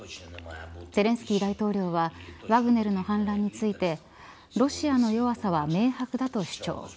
ゼレンスキー大統領はワグネルの反乱についてロシアの弱さは明白だと主張。